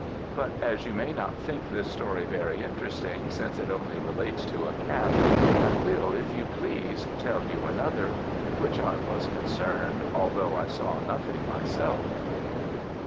"But as you may not think this story very interesting since it only relates to a cat, I will, if you please, tell you another, in which I was concerned, although I saw nothing myself."